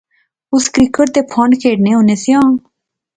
اس کرکٹ تے پھنڈ کھیڈنے ہونے سیاں